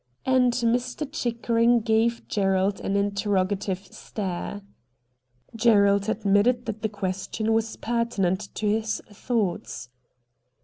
' And Mr. Chickering gave Gerald an interro gative stare. Gerald admitted that the question was pertinent to his thoughts.